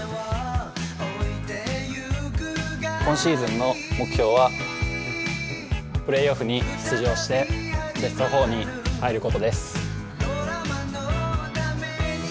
今シーズンの目標はプレーオフに出場してベスト４に入ることです。